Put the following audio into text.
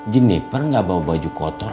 jeniper gak bawa baju kotor